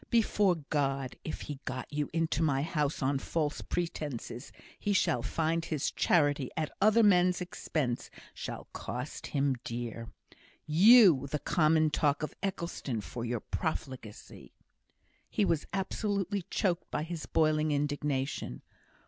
Before God, if he got you into my house on false pretences, he shall find his charity at other men's expense shall cost him dear you the common talk of Eccleston for your profligacy " He was absolutely choked by his boiling indignation.